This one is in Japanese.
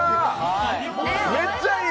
めっちゃいい。